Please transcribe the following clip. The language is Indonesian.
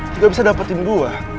lo gak bisa dapetin gue